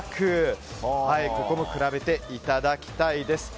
ここも比べていただきたいです。